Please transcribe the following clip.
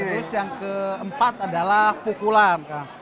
terus yang keempat adalah pukulan